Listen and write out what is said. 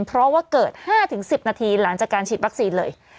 เพราะว่าเกิด๕๑๐นาทีหลังจากการฉีดวัคซีนเลย